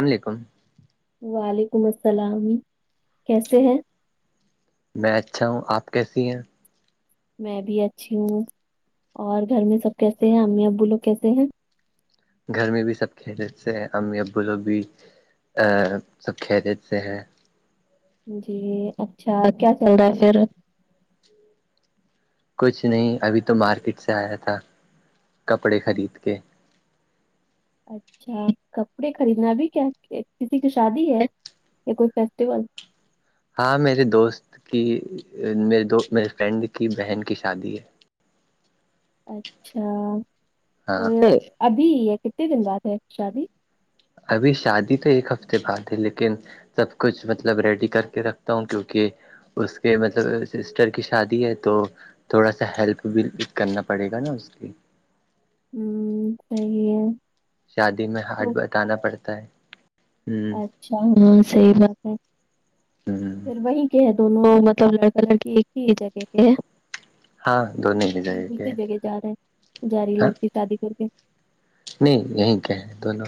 اللاملیکم وعلیکم السلام کیسے ہیں میں اچھا ہوں آپ کیسی ہیں میں بھی اچھی ہوں اور گھر میں سب کیسے ہیں امی ابو لوگ کیسے ہیں گھر میں بھی سب کھی لیتے ہیں امی ابو لوگ بھی ا سب کھی دیتے ہیں جی اچھا کیا چل رہا ہے پھر کچھ نہیں ابھی تو مارکیٹ سے آیا تھا کپڑے خرید کے اچھا کپڑے خریدنا بھی کیا کسی کی شادی ہے یا کوئی فیسٹیول ہاں میرے دوست کی میرے دو میرے فرینڈ کی بہن کی شادی ہے اچھا تو ہاں یہ ابھی ہے کتنے دن بعد ہے شادی ابھی شادی تو ایک ہفتے بعد ہے لیکن سب کچھ مطلب ریڈی کر کے رکھتا ہوں کیونکہ اس کے مطلب سسٹر کی شادی ہے تو تھوڑا سا ہیلپ بھی کرنا پڑے گا نا اس کی ہوں چ شادی میں ہاتھ بٹانا پڑتا ہے ہ اچھا ہاں صحیح بات ہے ہ پھر وہی کے ہے دونوں مطلب لڑکا لڑکی ایک ہی جگہ کے ہے ہاں دونوں ہی جگہ کے دوسری جگہ جا رہے ہیں جا رہی ہاں لڑکی شادی کر کے نہیں یہیں کہ ہیں دونوں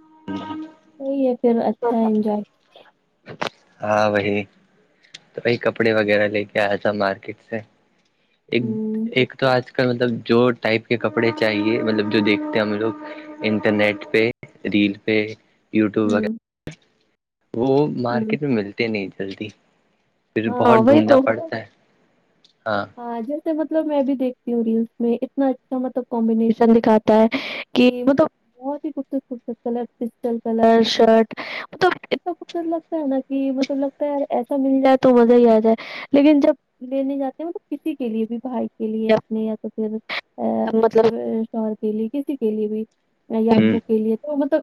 [inaudible] وہی ہے پھر اچھا انجوائے ہاں وہی تو وہی کپڑے وغیرہ لے کے آیا تھا مارکیٹ سے ایک ہوں ایک تو آج کل مطلب جو ٹائپ کے کپڑے چاہیے مطلب جو دیکھتے ہم لوگ انٹرنیٹ پہ ریل پہ یوٹیوب وغیرہ ہوں وہ ہوں مارکیٹ میں ملتے نہیں جلدی پھر ہاں ہاں بہت وہی ڈھونڈنا تو پڑتا ہے ہاں ہاں جیسے مطلب میں بھی دیکھتی ہوں ریلس میں اتنا اچھا مطلب کمبینیشن دکھاتا ہے [unintelligible] بہت ہی خوبصورت خوبصورت کلر کرسٹل کلر شرٹ مطلب نا کہ مطلب لگتا ہے ایسا مل جائے تو مزہ ہی آ جائے لیکن جب لینے جاتے ہیںلب کسی کے لیے بھی بھائی کے لیے اپنے یا تو پھر ا مطلب شوہر کے لیےکے لیے بھی ہوں بھوک کے لیے تو مطلب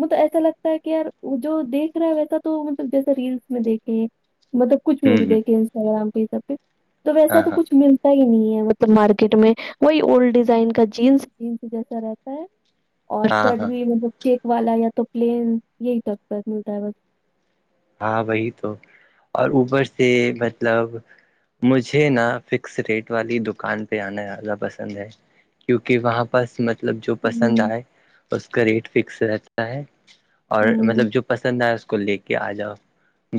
م تو ایسا لگتا ہے کہ یار جو دیکھ رہا ہو تھا تو مطلب جیسے ریلس میں دیکھیں مطلب کچھ میں بھی ہوں ہ دیکھے انسٹاگرام پہ سب پہ ایسا ہاں تو ہاں کچھ ملتا ہی نہیں ہے مطلب مارکیٹ میں وہی اولڈ ڈیزائن کا جینس جس جیسا رہتا ہے اور ہاں شرٹ ہاں بھی مطلب چیک والا یا تو پلین یہی تک پر ملتا ہے بس ہاں وہی تو اور اوبر سے مطلب مجھے نا فکس ریٹ والی دکان پہ آنا زیادہ پسند ہے کیونکہ وہاں پر مطلب جو پسند ہوں آئے اس کا ریٹ فکس رہتا ہے اور ہوں مطلب جو پسند آیا اس کو لے کے آ جاؤ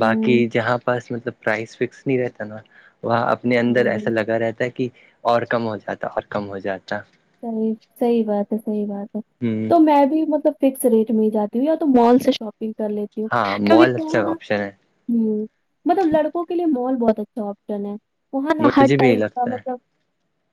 باقی کہ جہاں پاس مطلب پرائز فکس نہیں رہتا نا وہاں اپنے اندر ہوں ایسا لگا رہتا ہے کہ اور کم ہو جاتا اور کم ہو جاتا صحیح صحیح بات ہے صحیح بات ہے ہمم تو میں بھی مطلب فکس ریٹ میں ہی جاتی ہوں یا تو مال سے شاپنگ کر لیتی ہاں کیونکہ مال تو ہے اچھا نا آپشن ہ مطلب لڑکوں کے لیے مال بہت اچھا آپشن ہے وہاں ن ہر مجھے بھی یہی ٹائپ کا لگتا ہے مطلب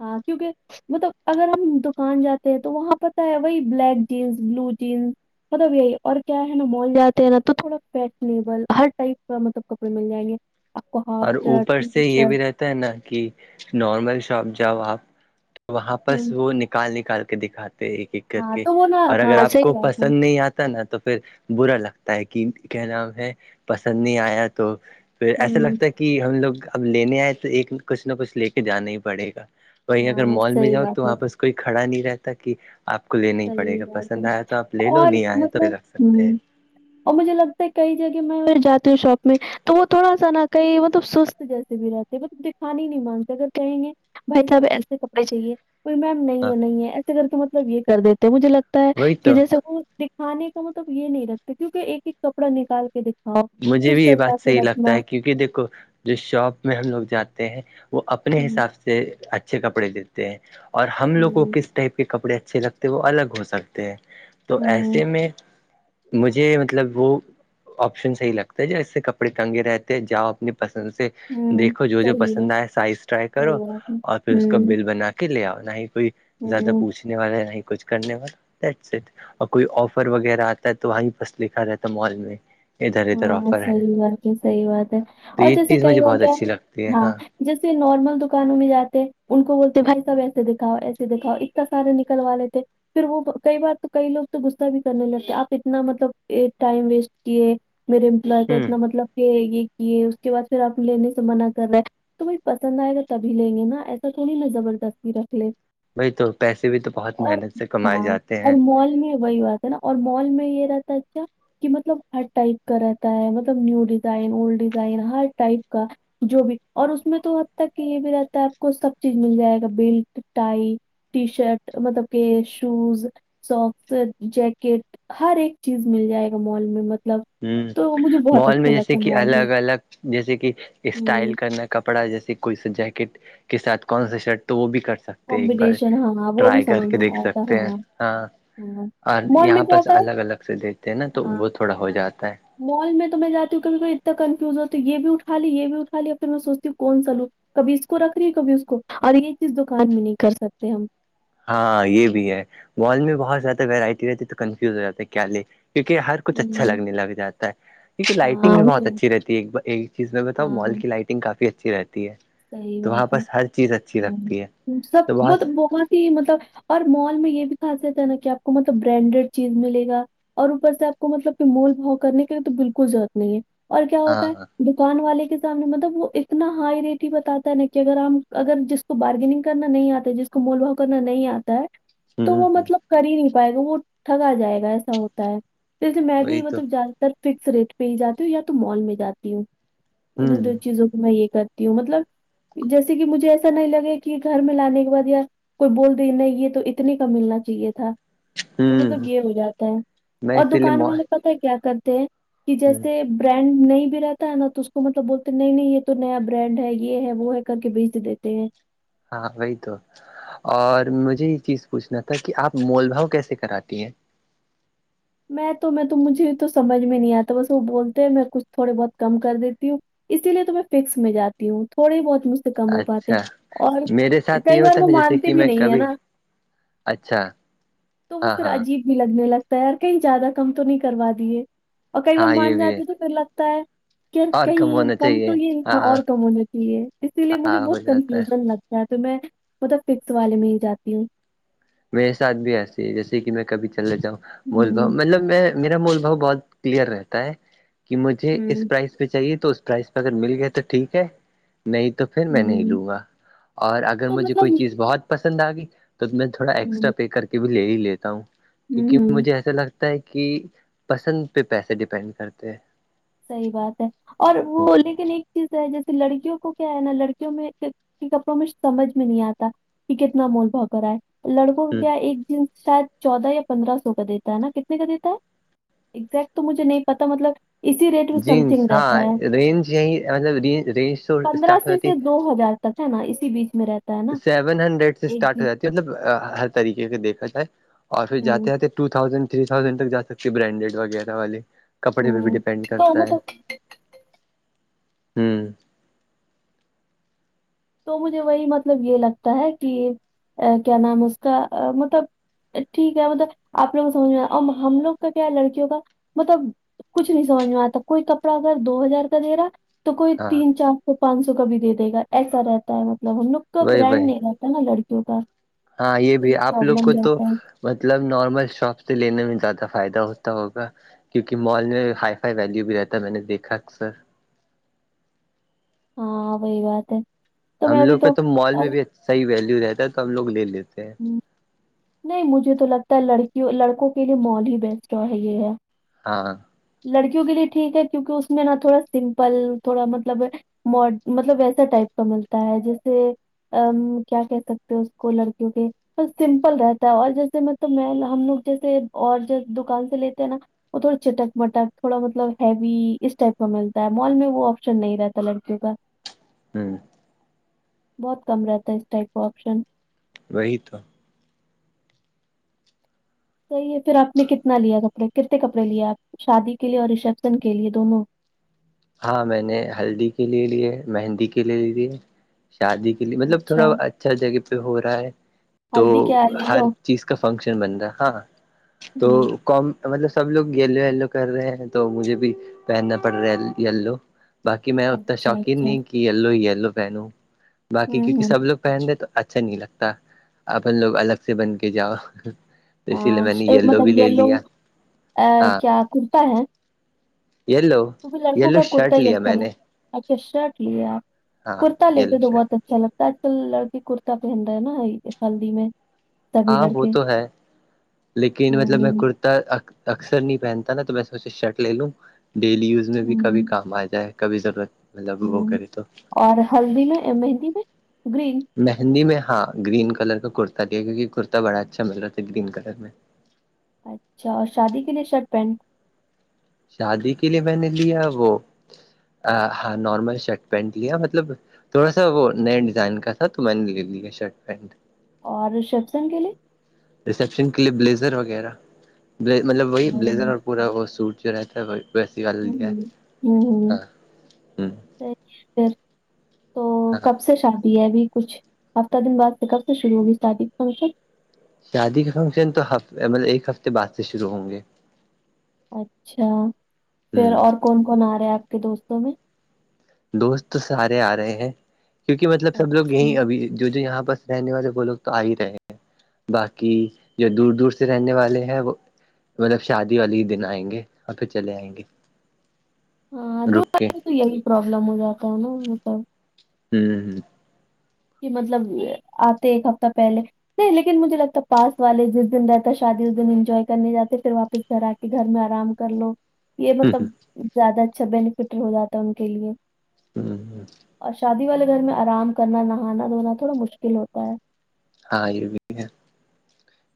ہاں کیونکہ مطلب اگر ہم دکان جاتے ہیں تو وہاں پتہ ہے وہی بلیک جینس بلو جینس مطلب یہی اور کیا ہے نا مال جاتے ہیں نا تو تھوڑا فیشنیبل ہر ٹائپ کا مطلب کپڑے مل جائیں گے آپ کو ہاف اور شرٹ اوپر تین سے یہ شرٹ بھی رہتا نا کہ نارمل شاپ جاؤ آپ وہاں پرس ہوں وہ نکال نکال کے دکھاتے ایک ایک کر ہاں کے تو وہ نا اور اگر ہاں آپ صحیح کو بات ہے پسند نہیں آتا نا تو پھر برا لگتا ہے کہ کیا نام ہے پسند نہیں آیا تو پھر ایسا ہوں لگتا ہے کہ ہم لوگ اب لینے آئے تو ایک کچھ نہ کچھ لے کے جانا ہی پڑے گا وہی اگر ہاں مال میں صحیح جاؤ تو بات ہے وہاں پس کوئی کھڑا نہیں رہتا کہ آپ کو لین ہی پڑے صحیح گا بات پسند ہے آیا تو آپ لے لو اور نہیں آئے تو مطلب رکھ سکتے ہوں ہیں اور مجھے لگتا ہے کئی جگہ میں جاتی ہوں شاپ میں تو وہ تھوڑا سا نہ کہیں مطلب سست جیسے بھی رہتے مطلب دکھانی ہی نہیں مانگتے اگر کہیں گے بھائی تو اب ایسے کپڑے چاہیے کوئی میم نہیں ہے نہیں ہے ایسے کر کے مطلب یہ کر دیتے ہیں مجھے لگتا ہے وہی کہ تو جیسا کو کھانے کا مطلب یہ نہیں رکھتے کیونک ایک ایک کپڑا نکال کے د مجھے بھی یہ بات صحیح لگتا ہے کیونکہ دیکھو جو شاپ میں ہم لوگ جاتے ہیں وہ اپنے ہوں حساب سے اچھے کپڑے دیتے ہیں اور ہم لوگ کو ہوں کس ٹائپ کے کپڑے اچھے لگتے ہیں وہ الگ ہو سکتے ہیں تو ہوں ایسے میں مجھے مطلب وہ آشن صحی لگتا ہے ج اسس سے کپڑے تنگے رہتے ہیں جاؤ اپنی پسند سے ہوں دیکھو جو جو صحیح ہے پسند آئے سائز ٹرائی کرو صحیح بات ہے اور پھر اس کا ہوں بل بنا کے کے لے آؤ نہ ہی کوئی زیادہ ہوں پوچھنے والا نہ ہی کچھ کرنے والا اور کوئی آفر وغیرہ آتا ہے تو وہیں پس لکھا رہتا ہے مال میں ادھر ادھر ہاں آفر ہے صحیح بات ہے صحیح بات ہے تو اور یہ جیسے چیز کہیں مجھے گ بہت کیا اچھی لگتی ہے ہاں جیسے نارمل دکانوں میں جاتے ان کو بولتے بھائی سب ایسے دکھاؤ ایسے دکھاؤ اتنا سارے نکل والے تھے پھر وہ کئی بار تو کئی لوگ تو غصہ بھی کرنے لگتے آپ اتنا مطلب ٹائم ویسٹ کیے میرے امپلائے کا ہوں اتنا مطلب کہ یہ کیے اس کے بعد پھر آپ لینے سے منع کر رہے تو بھائی پسند آئے گا تبھی لیں گے نا ایسا تھوڑی نہ زبردستی رکھ لے بھائی تو پیسے بھی تو بہت اور محنت سے کمائے ہاں جاتے ہیں اور مال میں وہی بات نا اور مال میں یہ رہتا ہے اچھا کہ مطلب ہر ٹائپ کا رہتا ہے مطلب نیو ڈیزائن اولڈ ڈیزائن ہر ٹائپ کا جو بھی اور اس میں تو حد تک یہ بھی رہتا ہے آپ کو سب چیز مل جائے گا بلٹ ٹائی ٹی شرٹ مطلب کہ شوز سوکس جیکٹ ہر ایک چیز مل جائے گا مال میں مطلب ہ تو مجھے بہت مال میں اچھا جیسے لگتا ہے کہ مال ہی الگ الگ جیسے کہ اسٹائل کرنا کپڑا جیسے کوئی سا جیکٹ کے ساتھ کون سا شرٹ تو وہ بھی کر سک ایک بار کمبینیشن ہاں وہ بھی ٹرائی کر سمجھ کے میں دیکھ آیا تھا سکتے ہیں ہاں ہاں اور مال میں یہاں کیا پرس ہوتا ہے الگ الگ سے دیکھتے ہیں نا تو ہاں وہ تھوڑا ہو جاتا ہے مال میں تو میں جاتی ہوں کیک اتنا کنفیوز ہو ہے یہ بھی اٹھا لی یہ بھی اٹایا پھر میں سوچتی ہوں کون ساوگ کبھی اس کو رکھ رہی ہے کبھی اس کو اور یہ چیز دکان میں نہیں کر سکتے ہم ہاں یہ بھی ہے بال میں بہت زیادہ وورائٹی رہتی ہے تو کنفیوز ہو جاتا ہے کیا لے کیونکہ ہر کچھ اچھا ہوں لگنے لگاتا ہے کیونکہ لائٹنگ ہاں بھی بہت وہ- اچھی رہتی ہے ایک چیز میں بتاؤ مال کی لائٹنگ کافی اچھی رہتی ہے صحی تو وہاں بات ہے پرس ہر چیز اچھی ہ لگتی ہے سب وہ تو بہت مطلب اور مال میں یہ بھی خاصیت ہے نا کہ آپ کو مطلب برانڈیڈ چیز ملے گا اور اوپر سے آپ کو مطلب کہ مول بھاؤ کرنے کے لیے تو بالکل ضرورت نہیں ہے اور کیا ہاں ہوتا ہاں ہے دکان والے کے سامنے مطلب وہ اتنا ہائی ریٹ بتاتا ہے نا کہ اگر ہم اگر جس کو بارگیننگ کرنا نہیں آتا جس کو مول بھاؤ کرنا نہیں آتا ہے تو ہوں وہ ہ مطلب کر ہی نہیں پائے گا وہ ٹھگا جائے گا ایسا ہوتا ہے جیسے میں بھی وہی تو مطلب زیادہ تر فکس ریٹ پہ ہی جاتی ہوں یا تو مال میں جاتی ہوں انہیں ہوں دو چیزوں کو میں یہ کرتی ہوں مطلب جیسے کہ مجھے ایسا نہیں لگے کہ گھر میں لانے کے بعد یا کوئی بول د نہیں یہ تو اتنے کا ملنا چاہیے تھا تو مطلب ہوں یہ ہو جاتا ہے میں اور اسی لیے دکان والا ہ پت کیا کرتے ہیں کہ جیسے برانڈ نہیں بھی رہتا ہے نا تو اس کو مطلب بولتے نہیں نہیں یہ تو نیا برانڈ ہے یہ ہے وہ ہے کر کے بیج دیتے ہیں ہاں وہی تو اور مجھے یہ چیز پوچھنا تھا کہ آپ مول بھاؤ کیسے کراتی ہیں میں تو میں تو مجھے تو سمجھ میں نہیں آتا بس وہ بولتے ہیں میں کچھ تھوڑے بہت کم کر دیتی ہوں اسی لیے تو میں فکس میں جاتی ہوں تھوڑی بہت م کم ہو پاتے اچھا اور میرے ساتھ کئی یہ بار ہوتا ہے وہ نا جیسے مانتے کہ بھی میں نہیں ہے کبھی نا اچھا تو وہ ہاں پھر ہاں عجیب بھی لگنے لگتا ہے اور کہیں زیادہ کم تو نہیں کروا دیے اور کئی بار ہاں یہ مان بھی ہے جاتے تھ پھر لگ تو اور کہیں ہونا کم چاہیے تو یہ ہ ہاں اور کم ہونا چاہیے اسی لیے مجھے ہاں ہو بہت جاتا ہے کنفیوژن لگتا تو میں مطلب پکس والے میں ہی جاتی ہوں میرے ساتھ بھی ایسی ہے جیسے کہ میں کبھی چلنے جاؤں مول بھؤ ہوں مطلب میرا مول بھؤ بہت کلیئر رہتا ہے کہ مجھے اس ہوں پرائز پہ چاہیے تو اس پرائز پہ اگر مل گئے تو ٹھیک ہے نہیں تو پھر میں نہیں ہوں لوں گا اور اگر تو مجھے مطلب کوئی چیز بہت پسند آگی تو میں تھوڑا ایکسٹرا ہوں پے کر کے بھی لے ہی لیتا ہوں کیکہ ہوں مجھے ایسا لگتا کہ پسند پہ پیسے ڈیپینڈ کرتے ہیں صحی بات ہے اور وہ لیکن ایک چیز ہے جیسے لڑکیوں کو کیا ہے نا لڑکیوں میں کپڑوں میں سمجھ میں نہیں آتا کہ کتنا مول بھؤ کر آئے لڑکوں کا کیا ایک شاید چودہ یا پندرہ سو کا دیتا ہے نا کتنے کا دیتا ہے ایگزیکٹ تو مجھے نہیں پتا مطلب اسی ریٹ میں سم جینس تھنگ ہاں رہتا ہے رینج یہی مطلب رینج تو پندرہ اسٹارٹ ہو سے جاتی ہے سے دو ہزار ہے نا اسی بیچ میں رہتا ہے نا سیون ہنڈریڈ سے ایک اسٹارٹ ہو جینس جاتی مطلب ہر طریقے کے دیکھا جائے اور پھر ہوں جاتے آاتے ٹو تھازینڈ تھری تھازینڈ تک جا سکتی برانڈیڈ وغیرہ والے کپڑے پہ بھی ہوں ڈیپینڈ تو کرتا ہے مطلب ہوں تو مجھے وہی مطلب یہ لگتا ہے کہ کیا نام اس کا مطلب ٹھیک ہے مطلب آپ لوگ کو سمجھنا اور ہم لوگ کا کیا ہے لڑکیوں کا مطلب کچھ نہیں سمجھ میں آتا کوئی کپڑا اگر دو ہزار کا دے رہا تو کوئی ہاں تین چار سو پانچ سو کا بھی دے دے گا ایسا رہتا ہے مطلب ہم لوگ کا وہی برانڈ وہی نہیں رہا نا لڑکیوں کا ہاں یہ تو بھی جی آپ لوگ پرابلم کو جی تو رہتا ہے مطلب نارمل شاپ سے لینے میں زیادہ فائدہ ہوتا ہوگا کیونکہ مال میں ہائی فائی ویلیو بھی رہتا ہے میں نے دیکھا اکثر ہاں وہئی بات ہے تو ہم میں بھی لوگ کاہ تو مال میں اب- بھی اھا ہی ویلو رہتا ہے تو ہم لوگ لے لیتے ہیں نہیں مجھے تو لگتا ہے لڑکیوں لڑکوں کے لیے مول ہی بیسٹا ہے یہ ہے ہاں لڑکیوں کے لیے ٹھیک ہے کیونکہ اس میں نا تھوڑا سمپل تھوڑا مطلب مڈ مطلب ویسا ٹائپ کا ملتا ہے جیسے ا کیا کہ سکتے اس کو لڑکیوں کے بس س ل رہتا ہے اور جیسے مطلب میں ہم لوگ جیسے اور جی دکان سے لیتے ہیں نا وہ تھوڑا چٹک مٹک تھوڑا مطلب ہیوی اس ٹائپ کا ملتا ہے مال میں وہ آپشن نہیں رہتا لڑکیوں کا ہوں بہت کم رہتا ہے اس ٹائپ کا آپشن وہی تو صحی ہے پھر آپ نے کتنا لیا کپڑے کتنے کپڑے لیے آپ شادی کے لیے اور ریسپشن کے لیے دونوں ہاں میں نے ہلدی کے لے لیے مہندی کے لے لیے دیے شادی کے مطلب تھوڑا اچھا جگہ پہ ہو رہا ہے تو ہلدی کیا ہے یلو ہر چیز کا فنکشن بن رہا ہے ہاں تو ہوں کوم مطلب سب لوگ یلو اییلو کر رہے ہیں تو مجھے بھی پہننا پڑ رہا ہے یلو باقی میں ات اچھا شوقین اچھا نہیں کہ یلو ہی یلو پہنوں باقی ہوں کیونکہ ہوں سب لوگ پہن تو اچھا نہیں لگتا اب لوگ الگ سے بن کے جاؤ اسی لیے ہاں میں ش- نے ایک یلو بھی لے لیا ہاں کررتا ہے لو کیکہ لڑکوں کا کرتا ہی اچھا لگ اچھا شرٹ لیے آپ ہاں کرتا لیتے یلو تو شرٹ بہت اچھا لگتا اج کل لڑکی کرتا پہن رہا ہے نا اس سالی میں سبھی ہاں وہ لڑکے تو ہے لیکن مطلب میں ہوں کرتی اکثر نہیں پہنتا نا تو میں سوچ شرٹ لے لوں ڈیلی یوز میں بھی کبھی ہوں کام آ جائے کبھی ضرورت مطلب وہ ہوں کرے تو اور ہلدی میں مہندی میں گرین مہندی میں ہاں گرین کلر کا کرتا دیا کیونکہ کرتا بڑا اچھا مل رہا تھا گرین کلر میں اچھا اور شادی کے لیے شرٹ پہن شادی کے لیے میں نے لیا وہ ہاں نارمل شرٹ پینٹ لیا مطلب تھوڑا سا وہ نیا ڈیزائن کا تھا تو میں نے لے لیا شرٹ پینٹ اور رشپسن کے لیے ریسیپشن کے لیے بلیزر وغیرہ مطلب وہی ہوں بلیزر اور پورا وہ سوٹ جو رہتا ہے وہ ویسی گل ہے ہوں ہاں ہوں حی ہے پھر تو ہاں کب سے شادی ہے ابھی کچھ ہفتہ دن بعد سے کب سے شرو ہوگی اسٹارٹنگ فنکشن شادی کا فنکشن تو ہ مطلب ایک ہفتے بعد سے شروع ہوں گے اچھا ہ پھر اور کون کون آ رہا ہے آپ کے دوستوں میں دوست تو سارے آ رہے ہیں کیونکہ مطلب سب لوگ اچھا یہیں ابھی جو جو یہاں پر رہنے والے وہ لوگ تو آ ہی رہے ہیں باقی جو دور دور سے رہنے والے ہیں وہ مطلب شادی والے ہی دن آئیں گے اور پھر چلے آئیں گے ہاں دو رک کے میں تو یہی پروابلم ہو جاتا ہے نا مطلب ہوں ہ کہ مطلب آتے ہے ایک ہفتہ پہلے نہیں لیکن مجھے لگتا پس والے جس دن رہتا شادی اس دن انجوائے کرنے جاتے پھر واپس گھر آ کے کہ گھر میں آرام کر لو یہ مطلب ہ زیادہ اچھا بینیفٹ ہو جاتا ہے ان کے لیے ہمم اور شادی والے گھر میں آرام کرنا نہانا دھونا تھوڑا مشکل ہوتا ہے ہاں یہ بھی ہے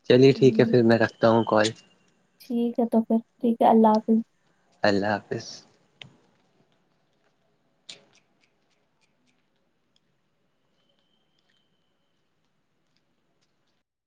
چلیے ٹھیک ہے ہوں، پھر میں رکھتا ہوں کال ٹھیک ہے تو پھر ٹھیک ہے اللہ حافظ اللہ حافظ